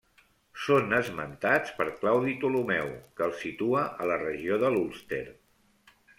Són esmentats per Claudi Ptolemeu que els situa a la regió de l'Ulster.